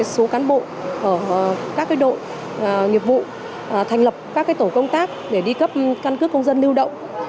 số cán bộ ở các đội nghiệp vụ thành lập các tổ công tác để đi cấp căn cước công dân lưu động